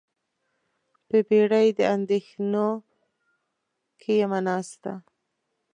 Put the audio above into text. په بیړۍ د اندیښنو کې یمه ناسته